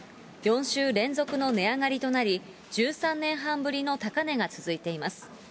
４週連続の値上がりとなり、１３年半ぶりの高値が続いています。